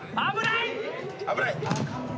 危ない！